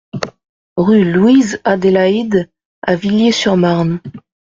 Rue Louise Adélaïde à Villiers-sur-Marne